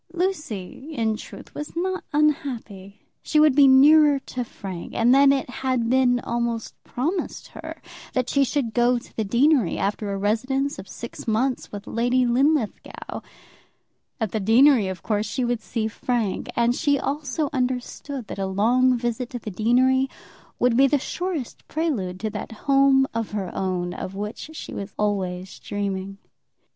Lucy, in truth, was not unhappy. She would be nearer to Frank; and then it had been almost promised her that she should go to the deanery, after a residence of six months with Lady Linlithgow. At the deanery of course she would see Frank; and she also understood that a long visit to the deanery would be the surest prelude to that home of her own of which she was always dreaming.